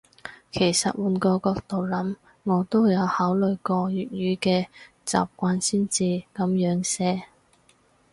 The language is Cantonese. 其實換個角度諗，我都有考慮過粵語嘅習慣先至噉樣寫